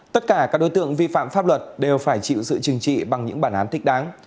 tất cả các đối tượng vi phạm pháp luật đều phải chịu sự chừng trị bằng những bản án thích đáng